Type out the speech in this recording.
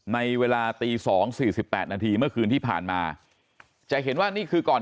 ในเวลาตี๒๔๘นาทีเมื่อคืนที่ผ่านมาจะเห็นว่านี่คือก่อน